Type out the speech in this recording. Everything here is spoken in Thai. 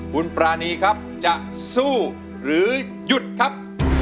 คุณปรานีครับจะสู้หรือหยุดครับ